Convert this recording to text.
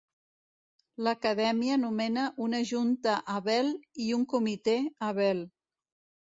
L'Acadèmia nomena una Junta Abel i un Comitè Abel.